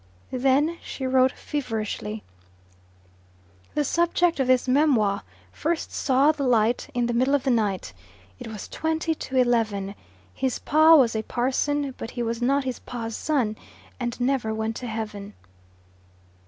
Then she wrote feverishly, "The subject of this memoir first saw the light in the middle of the night. It was twenty to eleven. His pa was a parson, but he was not his pa's son, and never went to heaven."